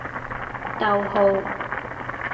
逗號